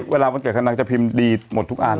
เวลาวันเก็บแรงศาลนางจะคิดดีทุกอย่าง